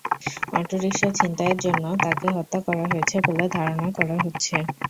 Autorickshaw ছিনতাইয়ের জন্য তাঁকে হত্যা করা হয়েছে বলে ধারণা করা হচ্ছে।